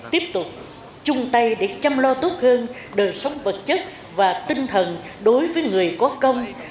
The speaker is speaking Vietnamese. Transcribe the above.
tiếp tục chung tay để chăm lo tốt hơn đời sống vật chất và tinh thần đối với người có công